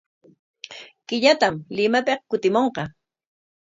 Killatam Limapik kutimunqa.